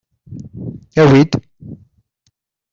Awi-d!